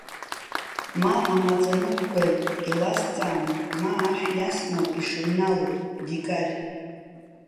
Ма амаӡаныҟәгаҩ илазҵааны, ма ашә иасноуп ишыҩнало, дикарь!